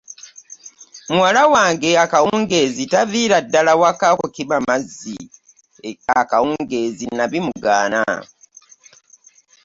Muwala wange akawungeezi taviira ddala waka okukima amazzi e kawungeezi nnabimugaana.